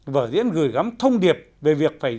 vở diễn gửi gắm thông điệp về việc phải